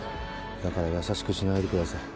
だから優しくしないでください。